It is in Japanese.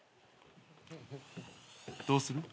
どうする？